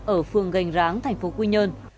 ở phường gành ráng tp quy nhơn